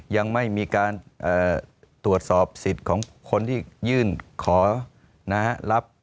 ยังไม่มีการตรวจสอบสิทธิ์ของคนที่ยื่นขอรับ